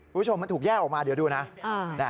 คุณผู้ชมมันถูกแยกออกมาเดี๋ยวดูนะ